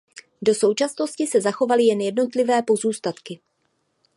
Do současnosti se zachovaly jen jednotlivé pozůstatky.